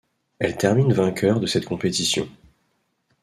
Elle termine vainqueur de cette compétition.